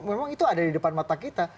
memang itu ada di depan mata kita